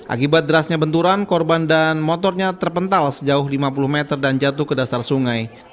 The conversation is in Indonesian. akibat derasnya benturan korban dan motornya terpental sejauh lima puluh meter dan jatuh ke dasar sungai